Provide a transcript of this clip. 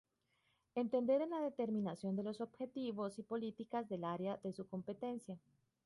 Entender en la determinación de los objetivos y políticas del área de su competencia.